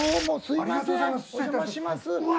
ありがとうございます。